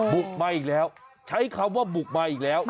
บุกมาอีกแล้วใช้คำว่าบุกมาอีกแล้ว